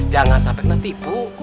jangan sampai kena tipu